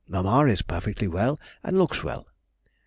Mamma is perfectly well and looks well.